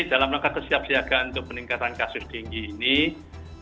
ya dari dalam langkah kesiapsiagaan untuk peningkatan kasus dinggi ini